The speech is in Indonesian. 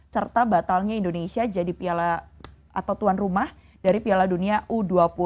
serta batalnya indonesia jadi piala atau tuan rumah dari piala dunia u dua puluh